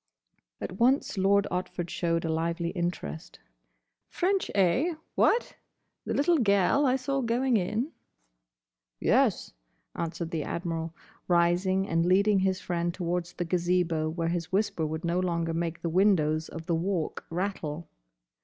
At once Lord Otford showed a lively interest. "French, eh?—What? the little gel I saw going in?" "Yes," answered the Admiral, rising and leading his friend towards the Gazebo where his whisper would no longer make the windows of the Walk rattle.